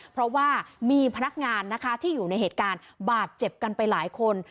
เพราะว่ามีพนักงานนะคะที่อยู่ในเหตุการณ์บาดเจ็บกันไปหลายคน